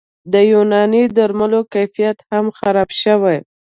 د یوناني درملو کیفیت هم خراب شوی